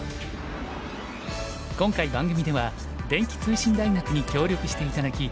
今回番組では電気通信大学に協力して頂き